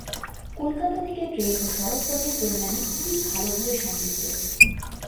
কলকাতা থেকে ট্রেন ও সড়ক পথে কল্যাণী খুবই ভাল ভাবে সংযুক্ত।